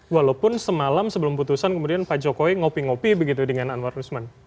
walaupun semalam sebelum putusan kemudian pak jokowi ngopi ngopi begitu dengan anwar usman